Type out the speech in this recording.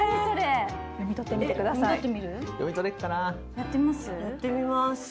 やってみます？